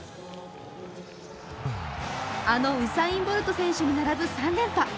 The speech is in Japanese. あのウサイン・ボルト選手に並ぶ３連覇。